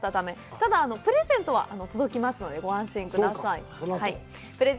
ただ、プレゼントは届きますのでご安心ください。